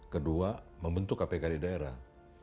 kedua membentuk kpk di daerah